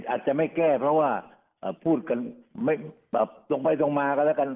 อาจจะไม่แก้เพราะว่าพูดกันไม่แบบตรงไปตรงมากันแล้วกัน